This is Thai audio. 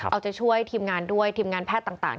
เอาใจช่วยทีมงานด้วยทีมงานแพทย์ต่าง